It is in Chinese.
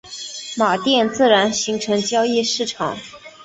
马甸自然形成交易市场。